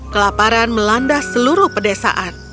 kelaparan melanda seluruh pedesaan